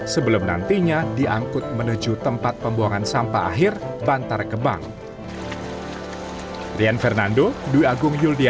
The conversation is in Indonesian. sebelum nantinya diangkut menuju tempat pembuangan sampah akhir bantar gebang